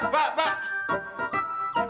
pak pak pak